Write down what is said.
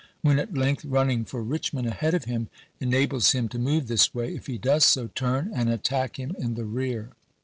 When at length running for Richmond ahead of him enables him to move this way, if he does so, turn and attack him in the rear.